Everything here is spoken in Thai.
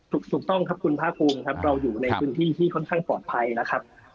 ถูกต้องครับคุณภาคภูมิครับเราอยู่ในพื้นที่ที่ค่อนข้างปลอดภัยนะครับ